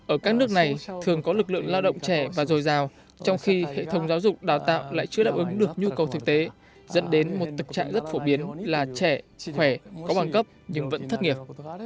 ở các nước này thường có lực lượng lao động trẻ và dồi dào trong khi hệ thống giáo dục đào tạo lại chưa đáp ứng được nhu cầu thực tế dẫn đến một thực trạng rất phổ biến là trẻ khỏe có bằng cấp nhưng vẫn thất nghiệp